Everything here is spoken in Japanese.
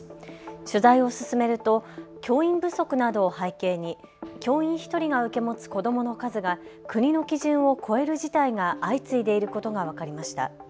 取材を進めると教員不足などを背景に教員１人が受け持つ子どもの数が国の基準を超える事態が相次いでいることが分かりました。